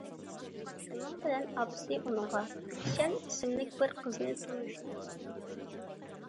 شۇنىڭ بىلەن، ئاپىسى ئۇنىڭغا گۈلشەن ئىسىملىك بىر قىزنى تونۇشتۇرىدۇ.